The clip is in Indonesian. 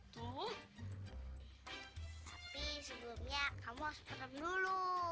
tapi sebelumnya kamu harus tanam dulu